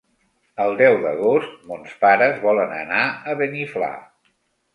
El deu d'agost mons pares volen anar a Beniflà.